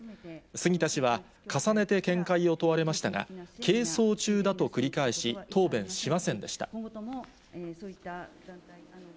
杉田氏は、重ねて見解を問われましたが、係争中だと繰り返し、答弁しませんでした。